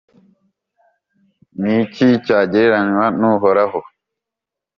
Ni iki cyagereranywa n’Uhoraho?